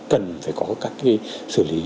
cần phải có các cái xử lý